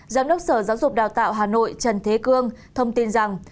giám đốc sở giáo dục đào tạo hà nội trần thế cương thông tin rằng